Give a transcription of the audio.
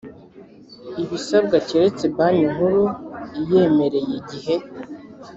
ibisabwa keretse Banki Nkuru iyemereye igihe